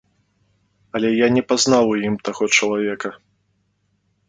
Але я не пазнаў у ім таго чалавека.